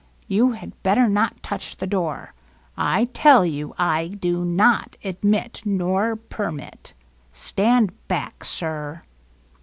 You had better not touch the door. I tell you, I do not admit nor permit. Stand back, sir